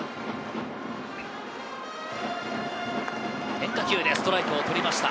変化球でストライクを取りました。